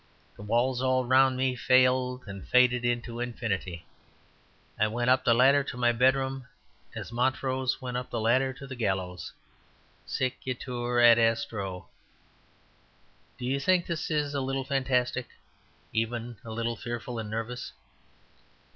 The walls all round me failed and faded into infinity; I went up the ladder to my bedroom as Montrose went up the ladder to the gallows; sic itur ad astro. Do you think this is a little fantastic even a little fearful and nervous?